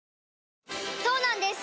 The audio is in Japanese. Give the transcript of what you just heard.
そうなんです